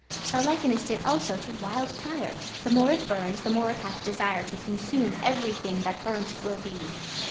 Thou likenest it also to wild fire; The more it burns, the more it hath desire To consume every thing that burnt will be.